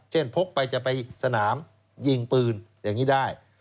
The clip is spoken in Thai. พกไปจะไปสนามยิงปืนอย่างนี้ได้